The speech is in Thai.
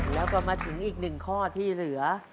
แล้วก็มาถึงอีกหนึ่งข้อที่เหลือ